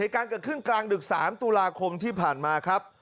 ครองที่ผ่านมาครับ